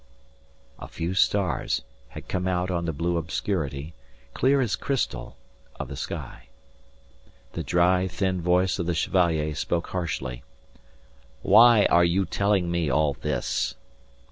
A few stars had come out on the blue obscurity, clear as crystal, of the sky. The dry, thin voice of the Chevalier spoke harshly. "Why are you telling me all this?"